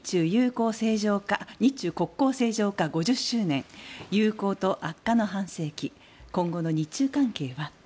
日中国交正常化５０周年友好と悪化の半世紀今後の日中関係は？